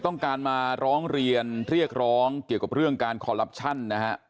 ต้องการมาร้องเรียนเรียกร้องเกี่ยวกับเรื่องการคอลลับชั่นนะฮะ